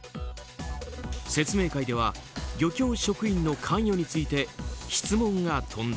説明会では漁協職員の関与について質問が飛んだ。